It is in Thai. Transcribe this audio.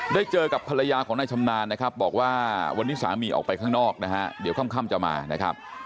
ได้เจอกับภรรยาของนายชำนาญนะครับบอกว่าวันนี้สามีออกไปข้างนอกนะฮะเดี๋ยวค่ำจะมานะครับ